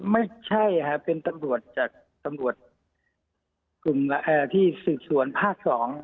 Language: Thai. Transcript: ไม่ใช่ค่ะเป็นตำรวจจากตำรวจที่สุดสวนภาค๒